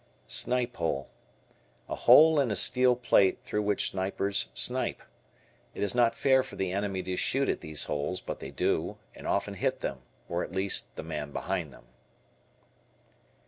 Snipe Hole. A hole in a steel plate through which snipers "snipe." It is not fair for the enemy to shoot at these holes, but they do, and often hit them, or at least the man behind them.